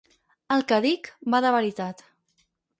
El que dic, va de veritat.